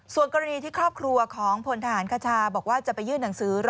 ส่วนกรณีที่ครอบครัวของพลทหารคชาบอกว่าจะไปยื่นหนังสือ